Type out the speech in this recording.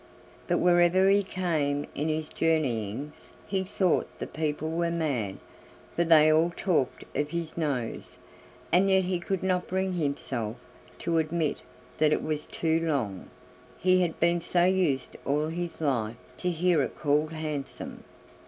But wherever he came in his journeyings he thought the people were mad, for they all talked of his nose, and yet he could not bring himself to admit that it was too long, he had been so used all his life to hear it called handsome.